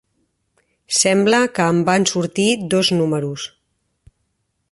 Sembla que en van sortir dos números.